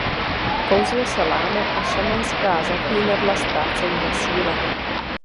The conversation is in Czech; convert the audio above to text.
Kouzlo se láme a šamanská zaklínadla ztrácejí na síle.